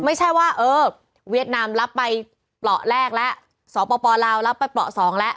ไม่ใช่ว่าเออเวียดนามรับไปเปราะแรกแล้วสปลาวรับไปเปราะสองแล้ว